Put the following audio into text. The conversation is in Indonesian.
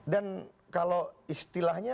dan kalau istilahnya